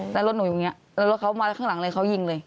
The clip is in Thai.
แล้วรถหนูอยู่อย่างนี้แล้วรถเขามาแล้วข้างหลังเลยเขายิงเลย